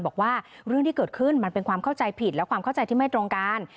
บอกว่าเรื่องที่เกิดขึ้นมันเป็นความเข้าใจผิดและความเข้าใจที่ไม่ตรงกัน